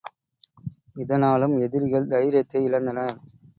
இதனாலும் எதிரிகள் தைரியத்தை இழந்தனர்.